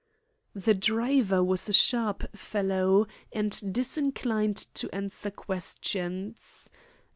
The driver was a sharp fellow, and disinclined to answer questions.